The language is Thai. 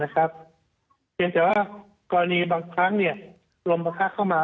แต่ว่ากรณีบางครั้งลมมาฆ่าเข้ามา